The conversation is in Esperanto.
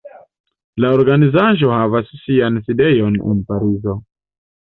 La organizaĵo havas sian sidejon en Parizo.